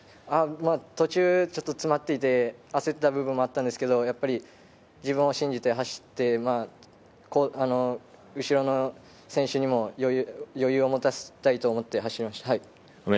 途中ちょっと詰まって焦った部分もあったのですが、自分を信じて走って、後ろの選手にも余裕を持たせたいと思って走りました。